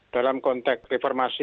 dalam konteks reformasi